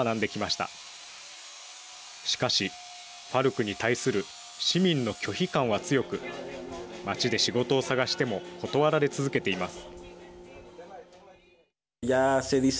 しかし、ＦＡＲＣに対する市民の拒否感は強く町で仕事を探しても断られ続けています。